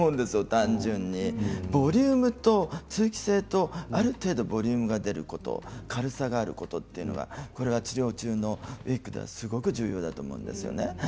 単純にボリュームと通気性とある程度、ボリュームが出ること軽さがあることこれは治療中のウイッグですごく重要だと思うんですよね。